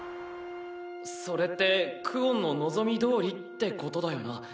それってクオンの望みどおりってことだよな。